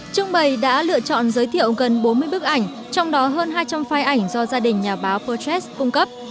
trưng bày đã lựa chọn giới thiệu gần bốn mươi bức ảnh trong đó hơn hai trăm linh phai ảnh do gia đình nhà báo bơs cung cấp